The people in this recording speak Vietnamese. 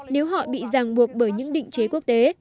nếu họ bị ràng buộc bởi những định chế quốc tế